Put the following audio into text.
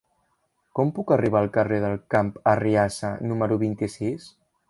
Com puc arribar al carrer del Camp Arriassa número vint-i-sis?